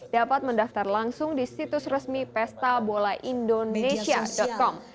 dapat mendaftar langsung di situs resmi pestabolaindonesia com